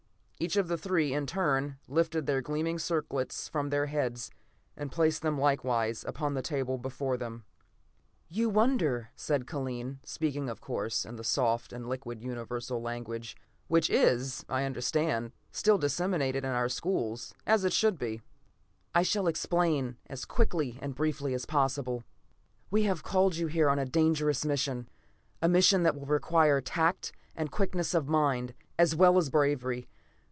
Each of the three, in turn, lifted their gleaming circlets from their heads, and placed them likewise upon the table before them. "You wonder," said Kellen, speaking of course, in the soft and liquid universal language, which is, I understand, still disseminated in our schools, as it should be. "I shall explain as quickly and as briefly as possible. "We have called you here on a dangerous mission. A mission that will require tact and quickness of mind as well as bravery.